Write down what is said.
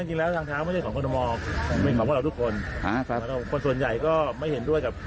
จริงแล้วเนี่ยต้องฟังฟาร์มสงฝากอยู่แล้วใช่ไหมครับ